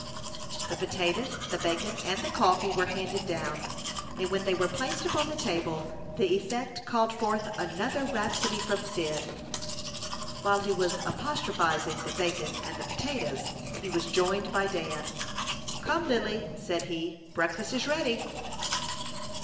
The potatoes, the bacon, and the coffee were handed down, and when they were placed upon the table, the effect called forth another rhapsody from Cyd. While he was apostrophizing the bacon and the potatoes, he was joined by Dan. "Come, Lily," said he; "breakfast is ready."